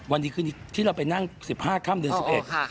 วันนี้คืนนี้ที่เราไปนั่งสิบห้าค่ำเดือนสิบเอ็กซ์